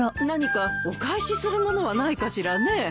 何かお返しするものはないかしらね？